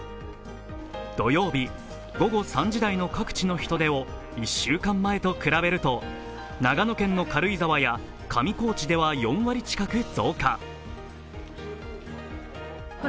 土曜日、午後３時台の各地の人出を１週間前と比べると、長野県の軽井沢や上高地では４割近く増加。